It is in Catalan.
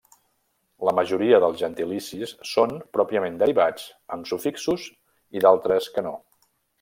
La majoria dels gentilicis són pròpiament derivats, amb sufixos, i d'altres que no.